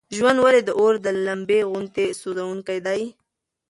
ژوند ولې د اور د لمبې غوندې سوزونکی دی؟